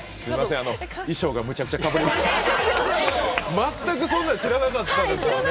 全くそんなん知らなかったですよね。